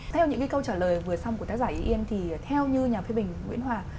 theo những cái câu trả lời vừa xong của tác giả yên thì theo như nhà phê bình nguyễn hòa